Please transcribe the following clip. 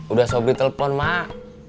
udah sobrit telepon mah